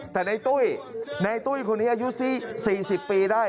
แต่ในตุ้ยในตุ้ยคนนี้อายุ๔๐ปีได้